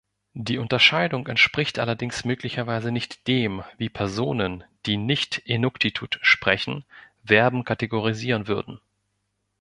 Die Unterscheidung entspricht allerdings möglicherweise nicht dem, wie Personen, die nicht Inuktitut sprechen, Verben kategorisieren würden.